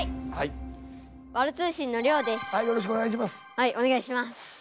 はいお願いします。